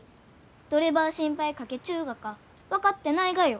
どればあ心配かけちゅうがか分かってないがよ。